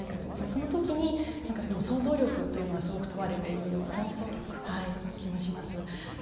そのときに想像力というのがすごく問われている気がします。